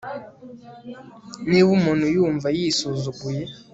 niba umuntu yumva yisuzuguye